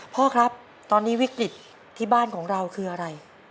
พ่อครับตอนนี้วิกฤตที่บ้านของเราคืออะไร